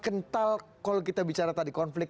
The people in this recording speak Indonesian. kental kalau kita bicara tadi konflik